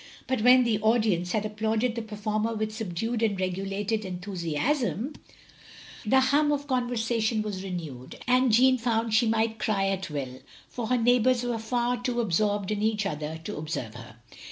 But when the audience had applauded the performer with subdued and regulated enthusiasm, i88 THE LONELY LADY the htim of conversation was renewed, and Jeanne fotind she might cry at will, for her neighbours were far too absorbed in each other to observe her.